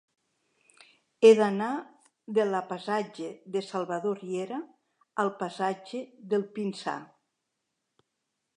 He d'anar de la passatge de Salvador Riera al passatge del Pinsà.